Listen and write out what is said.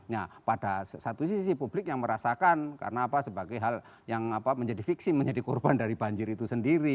nah pada satu sisi publik yang merasakan karena apa sebagai hal yang menjadi fiksi menjadi korban dari banjir itu sendiri